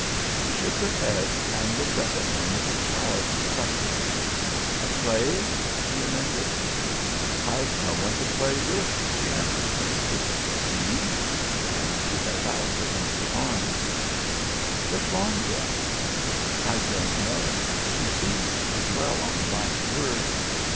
She shook her head and looked up at him with a child's perplexity. "A play?" he amended. "I've no one to play with," she answered simply. "See!" And she held out her empty arms. "What's wrong then?" "I don't know." She seemed to dwell on the last word.